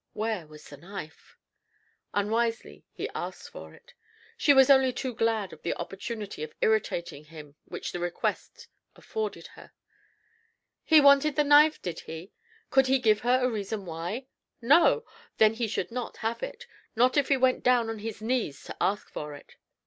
Where was the knife? Unwisely, he asked for it. She was only too glad of the opportunity of irritating him which the request afforded her. "He wanted the knife, did he? Could he give her a reason why? No! Then he should not have it not if he went down on his knees to ask for it."